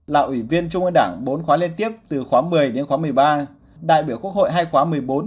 là ủy viên trung ương đảng bốn khóa liên tiếp từ khóa một mươi đến khóa một mươi ba đại biểu quốc hội hai khóa một mươi bốn